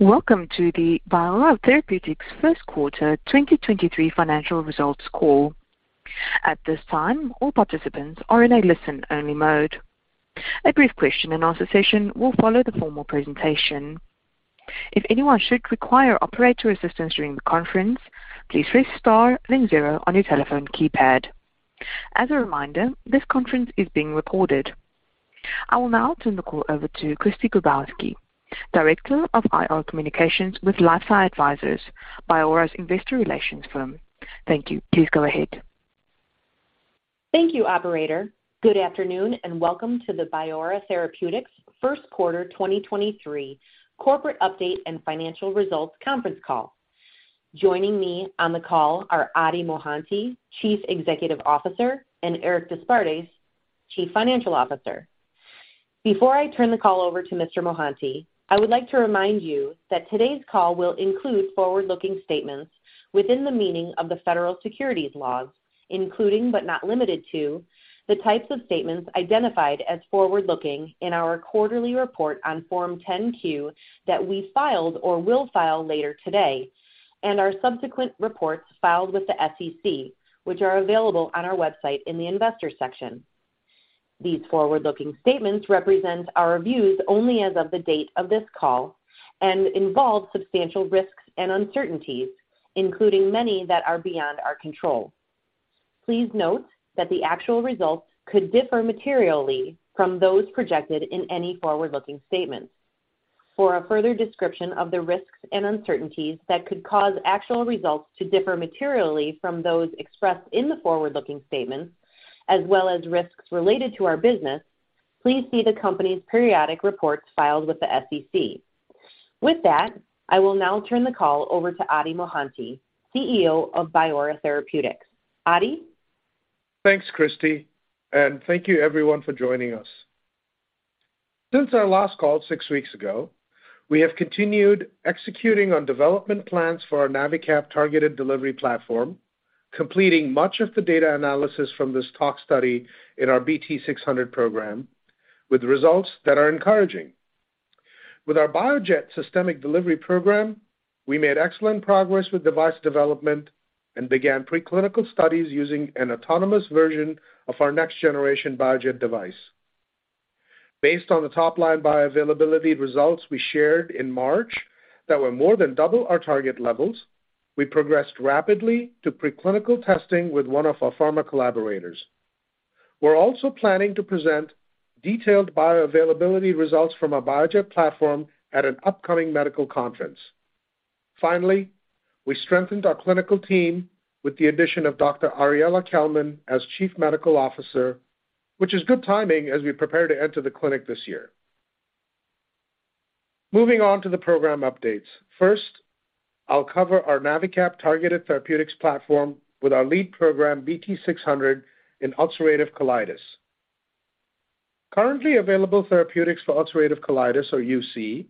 Welcome to the Biora Therapeutics First Quarter 2023 financial results call. At this time, all participants are in a listen-only mode. A brief question and answer session will follow the formal presentation. If anyone should require operator assistance during the conference, please press Star then 0 on your telephone keypad. As a reminder, this conference is being recorded. I will now turn the call over to Kristy Grabowski Director of IR Communications with LifeSci Advisors, Biora's investor relations firm. Thank you. Please go ahead. Thank you operator. Good afternoon, and welcome to the Biora Therapeutics first quarter 2023 corporate update and financial results conference call. Joining me on the call are Adi Mohanty, Chief Executive Officer, and Eric d'Esparbes, Chief Financial Officer. Before I turn the call over to Mr. Mohanty, I would like to remind you that today's call will include forward-looking statements within the meaning of the federal securities laws, including, but not limited to, the types of statements identified as forward-looking in our quarterly report on Form 10-Q that we filed or will file later today and our subsequent reports filed with the SEC, which are available on our website in the investors section. These forward-looking statements represent our views only as of the date of this call and involve substantial risks and uncertainties, including many that are beyond our control. Please note that the actual results could differ materially from those projected in any forward-looking statement. For a further description of the risks and uncertainties that could cause actual results to differ materially from those expressed in the forward-looking statements as well as risks related to our business, please see the company's periodic reports filed with the SEC. I will now turn the call over to Adi Mohanty, CEO of Biora Therapeutics. Adi. Thanks Kristy. Thank you everyone for joining us. Since our last call six weeks ago, we have continued executing on development plans for our NaviCap targeted delivery platform, completing much of the data analysis from this talk study in our BT-600 program with results that are encouraging. With our BioJet systemic delivery program, we made excellent progress with device development and began pre-clinical studies using an autonomous version of our next generation BioJet device. Based on the top-line bioavailability results we shared in March that were more than double our target levels, we progressed rapidly to pre-clinical testing with one of our pharma collaborators. We're also planning to present detailed bioavailability results from our BioJet platform at an upcoming medical conference. We strengthened our clinical team with the addition of Dr. Ariella Kelman as chief medical officer, which is good timing as we prepare to enter the clinic this year. Moving on to the program updates. First, I'll cover our NaviCap targeted therapeutics platform with our lead program, BT-600, in ulcerative colitis. Currently available therapeutics for ulcerative colitis or UC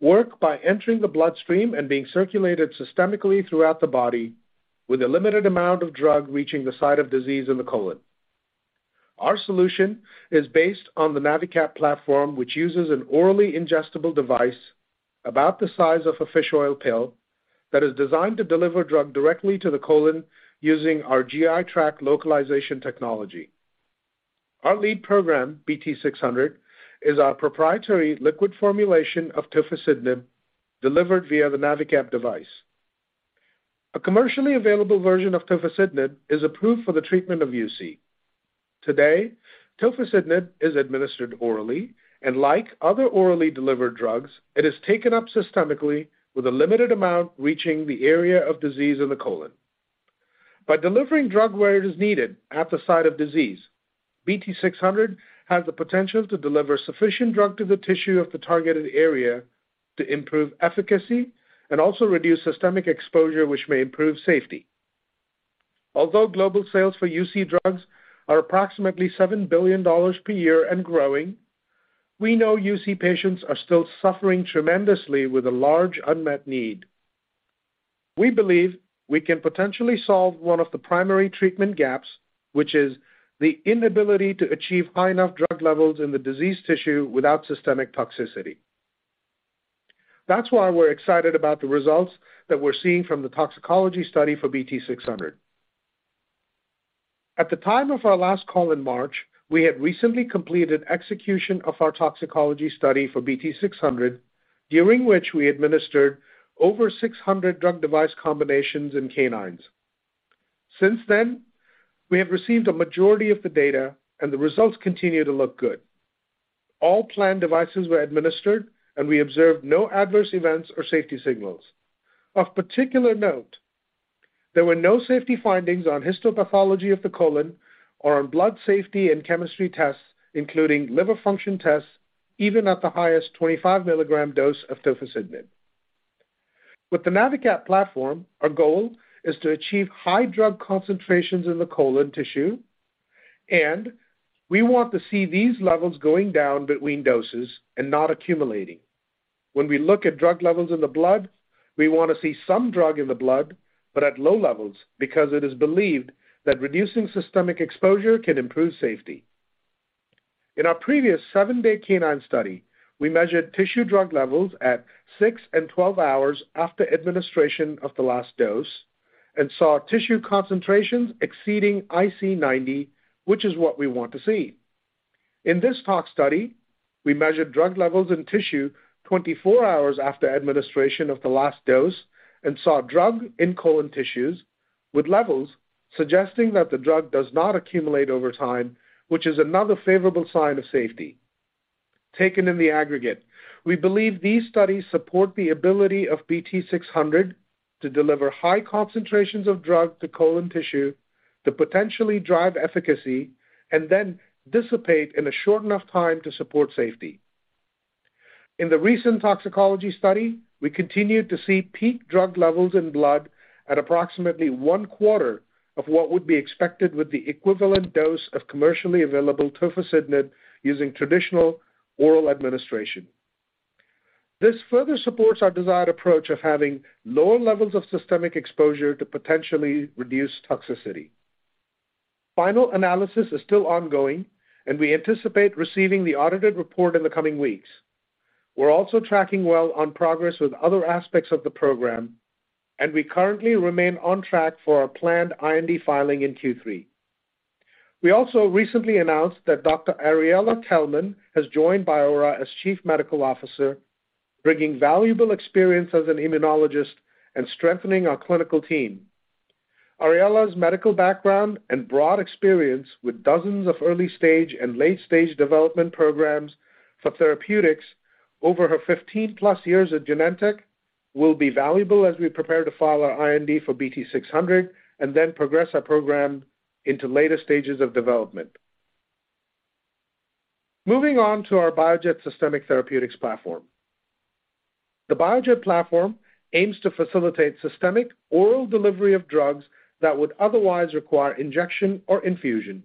work by entering the bloodstream and being circulated systemically throughout the body with a limited amount of drug reaching the site of disease in the colon. Our solution is based on the NaviCap platform, which uses an orally ingestible device about the size of a fish oil pill that is designed to deliver drug directly to the colon using our GI tract localization technology. Our lead program BT-600 is our proprietary liquid formulation of tofacitinib delivered via the NaviCap device. A commercially available version of tofacitinib is approved for the treatment of UC. Today, tofacitinib is administered orally, and like other orally delivered drugs, it is taken up systemically with a limited amount reaching the area of disease in the colon. By delivering drug where it is needed at the site of disease, BT-600 has the potential to deliver sufficient drug to the tissue of the targeted area to improve efficacy and also reduce systemic exposure, which may improve safety. Global sales for UC drugs are approximately $7 billion per year and growing, we know UC patients are still suffering tremendously with a large unmet need. We believe we can potentially solve one of the primary treatment gaps, which is the inability to achieve high enough drug levels in the disease tissue without systemic toxicity. That's why we're excited about the results that we're seeing from the toxicology study for BT-600. At the time of our last call in March, we had recently completed execution of our toxicology study for BT-600, during which we administered over 600 drug device combinations in canines. Since then, we have received a majority of the data, and the results continue to look good. All planned devices were administered, and we observed no adverse events or safety signals. Of particular note, there were no safety findings on histopathology of the colon or on blood safety and chemistry tests, including liver function tests, even at the highest 25 milligrams dose of tofacitinib. With the NaviCap platform, our goal is to achieve high drug concentrations in the colon tissue, and we want to see these levels going down between doses and not accumulating. When we look at drug levels in the blood, we want to see some drug in the blood but at low levels because it is believed that reducing systemic exposure can improve safety. In our previous seven-day canine study, we measured tissue drug levels at six and 12 hours after administration of the last dose and saw tissue concentrations exceeding IC90, which is what we want to see. In this tox study, we measured drug levels in tissue 24 hours after administration of the last dose and saw drug in colon tissues with levels suggesting that the drug does not accumulate over time, which is another favorable sign of safety. Taken in the aggregate, we believe these studies support the ability of BT-600 to deliver high concentrations of drug to colon tissue to potentially drive efficacy and then dissipate in a short enough time to support safety. In the recent toxicology study, we continued to see peak drug levels in blood at approximately one-quarter of what would be expected with the equivalent dose of commercially available tofacitinib using traditional oral administration. This further supports our desired approach of having lower levels of systemic exposure to potentially reduce toxicity. Final analysis is still ongoing. We anticipate receiving the audited report in the coming weeks. We're also tracking well on progress with other aspects of the program, and we currently remain on track for our planned IND filing in Q3. We also recently announced that Dr. Ariella Kelman has joined Biora as Chief Medical Officer, bringing valuable experience as an immunologist and strengthening our clinical team. Ariella's medical background and broad experience with dozens of early-stage and late-stage development programs for therapeutics over her 15-plus years at Genentech will be valuable as we prepare to file our IND for BT-600 and then progress our program into later stages of development. Moving on to our BioJet systemic therapeutics platform. The BioJet platform aims to facilitate systemic oral delivery of drugs that would otherwise require injection or infusion.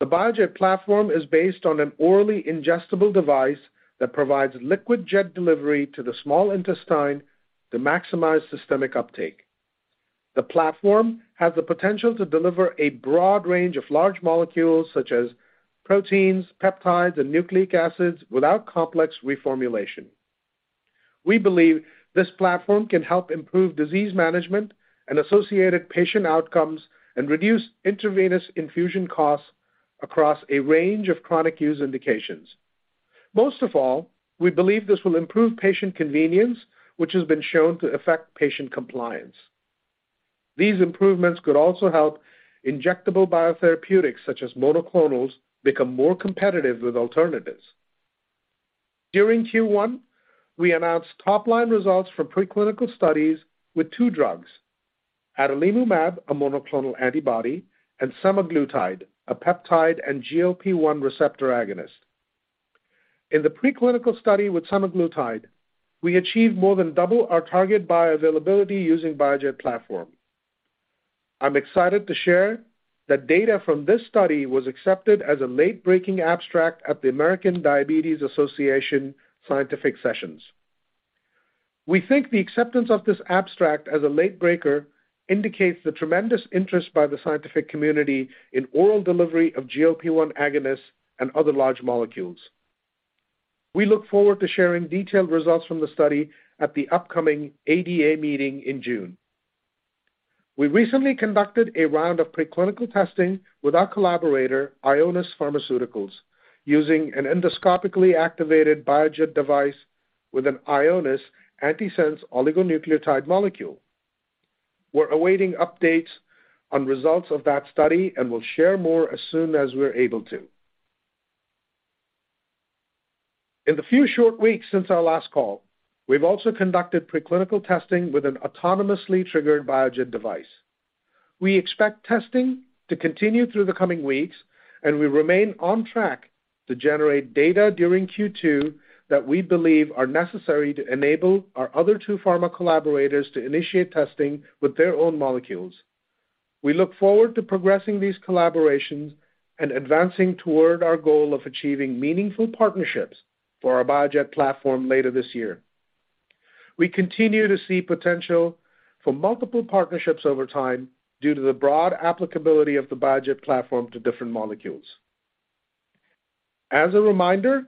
The BioJet platform is based on an orally ingestible device that provides liquid jet delivery to the small intestine to maximize systemic uptake. The platform has the potential to deliver a broad range of large molecules such as proteins, peptides and nucleic acids without complex reformulation. We believe this platform can help improve disease management and associated patient outcomes and reduce intravenous infusion costs across a range of chronic use indications. Most of all, we believe this will improve patient convenience, which has been shown to affect patient compliance. These improvements could also help injectable biotherapeutics such as monoclonals become more competitive with alternatives. During Q1, we announced top-line results from preclinical studies with two drugs, adalimumab, a monoclonal antibody, and semaglutide, a peptide and GLP-1 receptor agonist. In the preclinical study with semaglutide, we achieved more than double our target bioavailability using BioJet platform. I'm excited to share that data from this study was accepted as a late-breaking abstract at the American Diabetes Association scientific sessions. We think the acceptance of this abstract as a late breaker indicates the tremendous interest by the scientific community in oral delivery of GLP-1 agonists and other large molecules. We look forward to sharing detailed results from the study at the upcoming ADA meeting in June. We recently conducted a round of preclinical testing with our collaborator, Ionis Pharmaceuticals, using an endoscopically activated BioJet device with an Ionis antisense oligonucleotide molecule. We're awaiting updates on results of that study and will share more as soon as we're able to. In the few short weeks since our last call, we've also conducted preclinical testing with an autonomously triggered BioJet device. We expect testing to continue through the coming weeks. We remain on track to generate data during Q2 that we believe are necessary to enable our other two pharma collaborators to initiate testing with their own molecules. We look forward to progressing these collaborations and advancing toward our goal of achieving meaningful partnerships for our BioJet platform later this year. We continue to see potential for multiple partnerships over time due to the broad applicability of the BioJet platform to different molecules. As a reminder,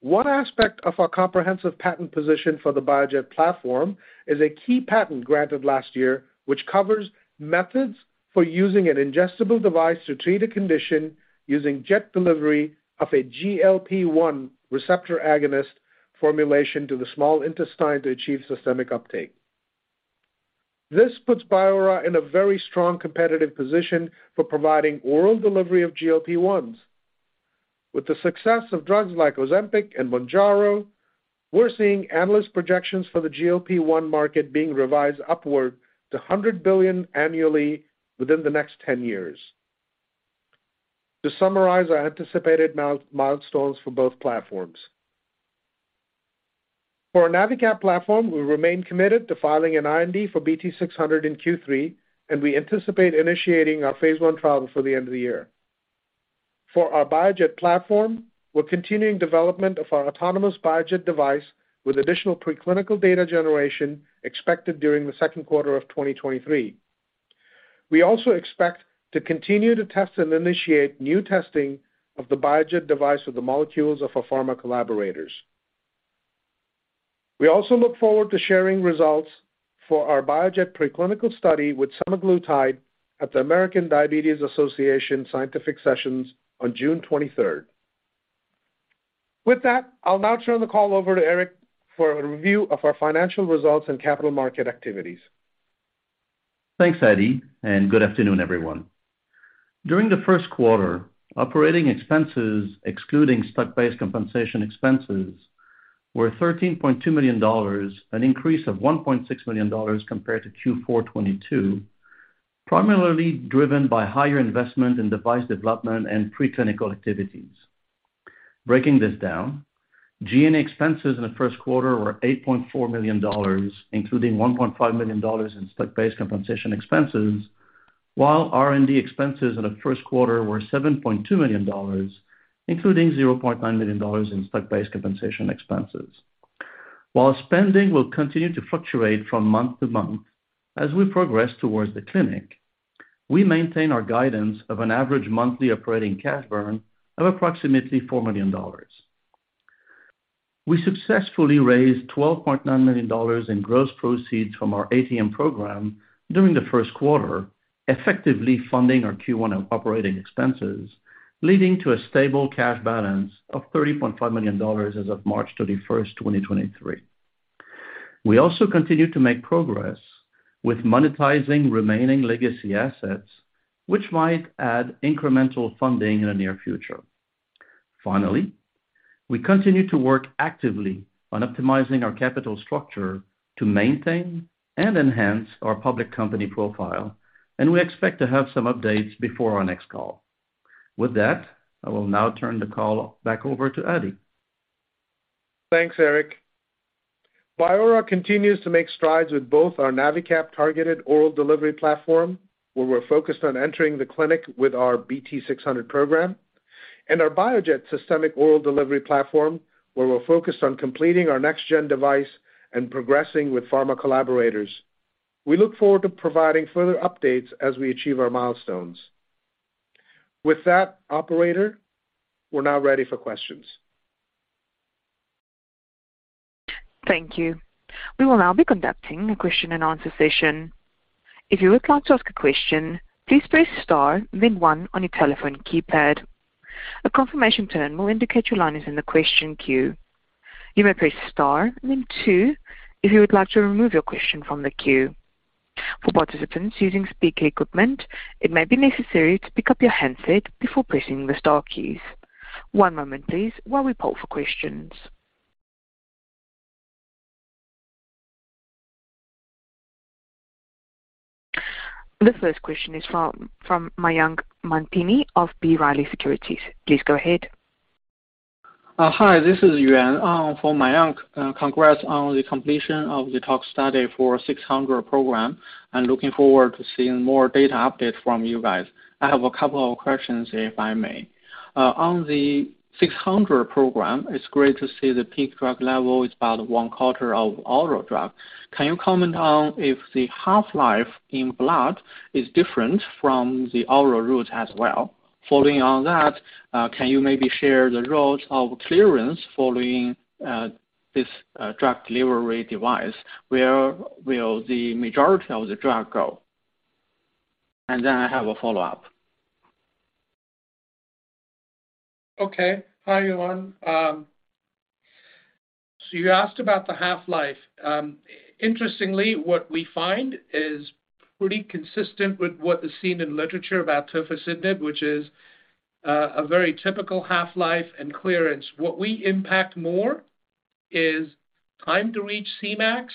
one aspect of our comprehensive patent position for the BioJet platform is a key patent granted last year, which covers methods for using an ingestible device to treat a condition using jet delivery of a GLP-1 receptor agonist formulation to the small intestine to achieve systemic uptake. This puts Biora in a very strong competitive position for providing oral delivery of GLP-1s. With the success of drugs like Ozempic and Mounjaro, we're seeing analyst projections for the GLP-1 market being revised upward to $100 billion annually within the next 10 years. To summarize our anticipated milestones for both platforms. For our NaviCap platform, we remain committed to filing an IND for BT-600 in Q3, and we anticipate initiating our phase 1 trial before the end of the year. For our BioJet platform, we're continuing development of our autonomous BioJet device with additional preclinical data generation expected during the second quarter of 2023. We also expect to continue to test and initiate new testing of the BioJet device of the molecules of our pharma collaborators. We also look forward to sharing results for our BioJet preclinical study with semaglutide at the American Diabetes Association Scientific Sessions on June 23rd. With that, I'll now turn the call over to Eric for a review of our financial results and capital market activities. Thanks Adi and good afternoon, everyone. During the first quarter, operating expenses excluding stock-based compensation expenses were $13.2 million, an increase of $1.6 million compared to Q4 2022, primarily driven by higher investment in device development and preclinical activities. Breaking this down, G&A expenses in the first quarter were $8.4 million, including $1.5 million in stock-based compensation expenses, while R&D expenses in the first quarter were $7.2 million, including $0.9 million in stock-based compensation expenses. While spending will continue to fluctuate from month-to-month as we progress towards the clinic, we maintain our guidance of an average monthly operating cash burn of approximately $4 million. We successfully raised $12.9 million in gross proceeds from our ATM program during the 1st quarter, effectively funding our Q1 operating expenses, leading to a stable cash balance of $30.5 million as of March 31st, 2023. We also continue to make progress with monetizing remaining legacy assets, which might add incremental funding in the near future. Finally we continue to work actively on optimizing our capital structure to maintain and enhance our public company profile and we expect to have some updates before our next call. With that, I will now turn the call back over to Adi. Thanks, Eric. Biora continues to make strides with both our NaviCap targeted oral delivery platform, where we're focused on entering the clinic with our BT-600 program, and our BioJet systemic oral delivery platform, where we're focused on completing our next gen device and progressing with pharma collaborators. We look forward to providing further updates as we achieve our milestones. With that, operator, we're now ready for questions. Thank you. We will now be conducting a question and answer session. If you would like to ask a question, please press star then one on your telephone keypad. A confirmation tone will indicate your line is in the question queue. You may press star then two if you would like to remove your question from the queue. For participants using speaker equipment, it may be necessary to pick up your handset before pressing the star keys. One moment please while we poll for questions. The first question is from Mayank Mamtani of B. Riley Securities. Please go ahead. Hi, this is Yuan, for Mayank. Congrats on the completion of the tox study for BT-600 program, and looking forward to seeing more data updates from you guys. I have a couple of questions, if I may. On the BT-600 program, it's great to see the peak drug level is about one quarter of oral drug. Can you comment on if the half-life in blood is different from the oral route as well? Following on that, can you maybe share the route of clearance following this drug delivery device? Where will the majority of the drug go? I have a follow-up. Okay. Hi Yuan. You asked about the half-life. Interestingly, what we find is pretty consistent with what is seen in literature about tofacitinib, which is a very typical half-life and clearance. What we impact more is time to reach Cmax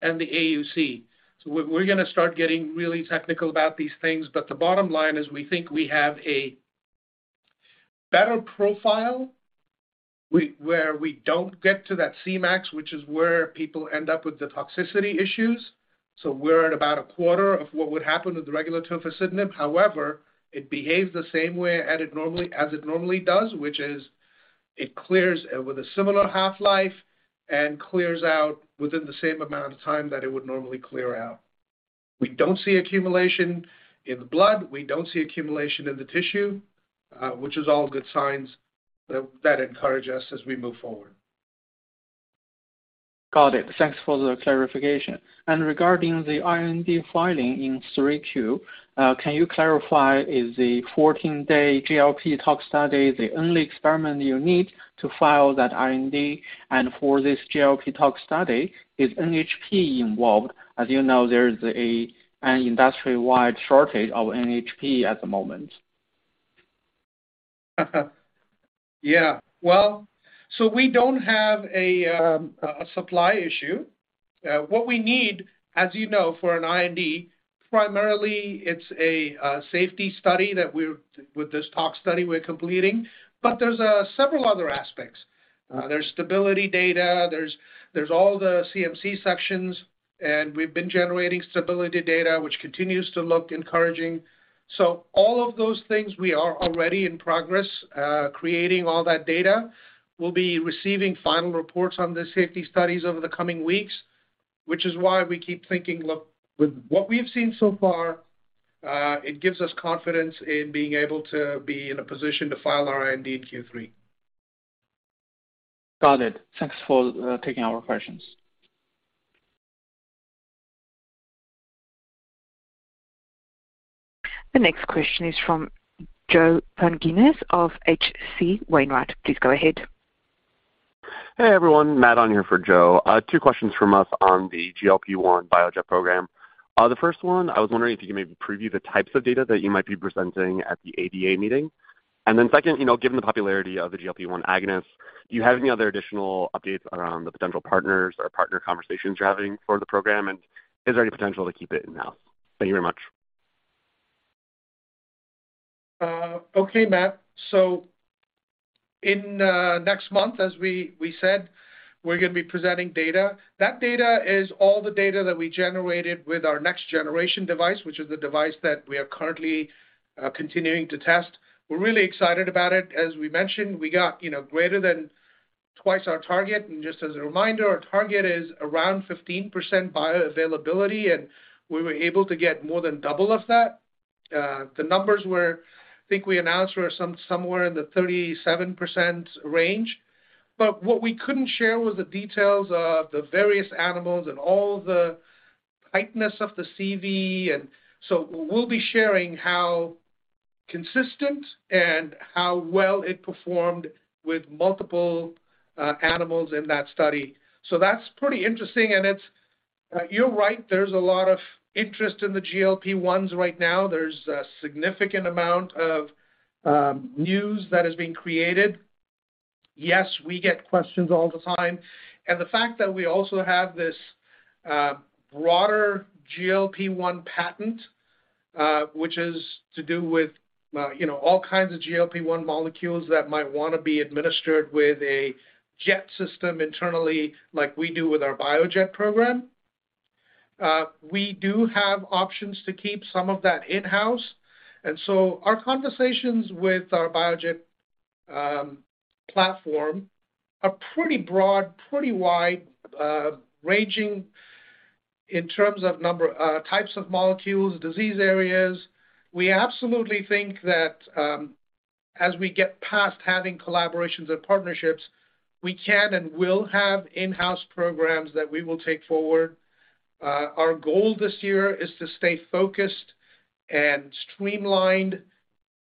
and the AUC. We're gonna start getting really technical about these things, but the bottom line is we think we have a better profile where we don't get to that Cmax, which is where people end up with the toxicity issues. We're at about a quarter of what would happen with the regular tofacitinib. However, it behaves the same way as it normally does, which is it clears with a similar half-life and clears out within the same amount of time that it would normally clear out. We don't see accumulation in the blood. We don't see accumulation in the tissue, which is all good signs that encourage us as we move forward. Got it. Thanks for the clarification. Regarding the IND filing in 3Q, can you clarify, is the 14-day GLP toxicology study the only experiment you need to file that IND? For this GLP toxicology study, is NHP involved? As you know, there's an industry-wide shortage of NHP at the moment. We don't have a supply issue. What we need, as you know, for an IND, primarily it's a safety study that with this tox study we're completing, but there's several other aspects. There's stability data, there's all the CMC sections, and we've been generating stability data, which continues to look encouraging. All of those things we are already in progress, creating all that data. We'll be receiving final reports on the safety studies over the coming weeks. Which is why we keep thinking, look, with what we've seen so far, it gives us confidence in being able to be in a position to file our IND in Q3. Got it. Thanks for taking our questions. The next question is from Joe Pantginis of H.C. Wainwright. Please go ahead. Hey, everyone. Matt on here for Joe. Two questions from us on the GLP-1 BioJet program. The first one, I was wondering if you can maybe preview the types of data that you might be presenting at the ADA meeting. Second, you know, given the popularity of the GLP-1 agonists, do you have any other additional updates around the potential partners or partner conversations you're having for the program? Is there any potential to keep it in-house? Thank you very much. Okay, Matt. In next month, as we said, we're gonna be presenting data. That data is all the data that we generated with our next generation device, which is the device that we are currently continuing to test. We're really excited about it. As we mentioned, we got, you know, greater than 2x our target. Just as a reminder, our target is around 15% bioavailability and we were able to get more than 2x of that. The numbers were, I think we announced, were somewhere in the 37% range. What we couldn't share was the details of the various animals and all the tightness of the CV. We'll be sharing how consistent and how well it performed with multiple animals in that study. That's pretty interesting. It's... You're right, there's a lot of interest in the GLP-1s right now. There's a significant amount of news that is being created. Yes, we get questions all the time. The fact that we also have this broader GLP-one patent, which is to do with, you know, all kinds of GLP-1 molecules that might wanna be administered with a jet system internally like we do with our BioJet program. We do have options to keep some of that in-house. Our conversations with our BioJet platform are pretty broad, pretty wide, ranging in terms of number, types of molecules, disease areas. We absolutely think that, as we get past having collaborations and partnerships, we can and will have in-house programs that we will take forward. Our goal this year is to stay focused and streamlined,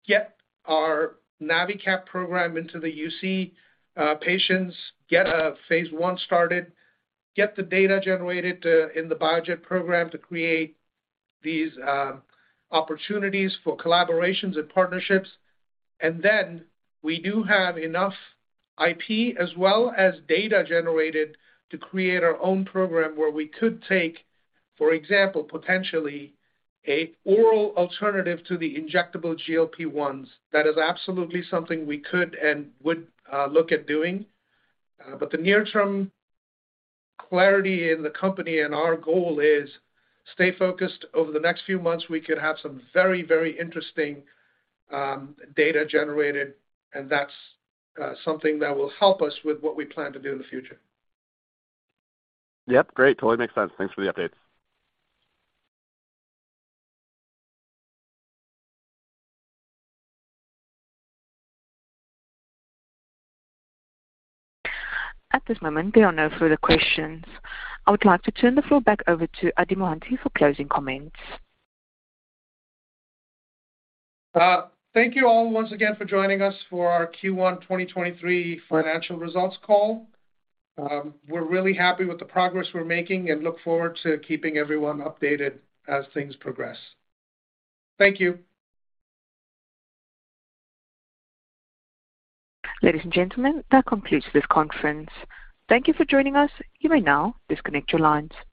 get our NaviCap program into the UC patients, get a phase 1 started, get the data generated in the BioJet program to create these opportunities for collaborations and partnerships. We do have enough IP as well as data generated to create our own program where we could take, for example, potentially an oral alternative to the injectable GLP-1s. That is absolutely something we could and would look at doing. The near-term clarity in the company and our goal is stay focused. Over the next few months, we could have some very, very interesting data generated, and that's something that will help us with what we plan to do in the future. Yep, great. Totally makes sense. Thanks for the updates. At this moment, there are no further questions. I would like to turn the floor back over to Adi Mohanty for closing comments. Thank you all once again for joining us for our Q1 2023 financial results call. We're really happy with the progress we're making and look forward to keeping everyone updated as things progress. Thank you. Ladies and gentlemen, that concludes this conference. Thank you for joining us. You may now disconnect your lines.